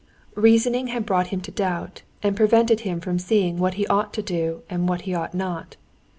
Reasoning had brought him to doubt, and prevented him from seeing what he ought to do and what he ought not.